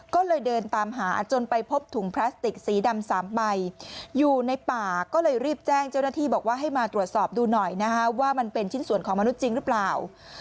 ก็เลยเดินตามหาจนไปพบถุงพลาสติกสีดำ๓ใบอยู่ในป่าก็เลยรีบแจ้งเจ้าหน้าที่บอกว่าให้มาตรวจสอบดูหน่อยนะฮะว่ามันเป็นชิ้นส่วนของมนุษย์จริงหรือเปล่า